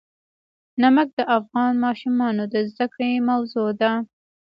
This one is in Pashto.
نمک د افغان ماشومانو د زده کړې موضوع ده.